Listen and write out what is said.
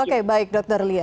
oke baik dokter lia